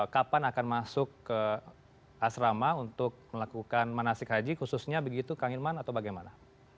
kapan akan masuk ke asrama untuk melakukan manasik haji khususnya begitu kang hilman atau bagaimana